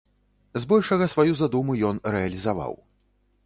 Збольшага сваю задуму ён рэалізаваў.